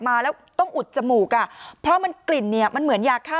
มาแล้วต้องอุดจมูกอ่ะเพราะมันกลิ่นเนี่ยมันเหมือนยาฆ่า